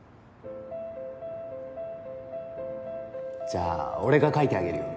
じゃあ俺が描いてあげるよ。